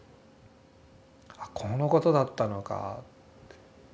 あっこのことだったのかって。